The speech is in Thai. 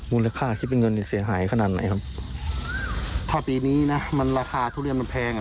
คิดเป็นเงินนี่เสียหายขนาดไหนครับถ้าปีนี้นะมันราคาทุเรียนมันแพงอ่ะ